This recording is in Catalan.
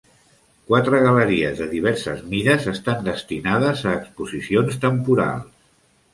Quatre galeries de diverses mides estan destinades a exposicions temporals.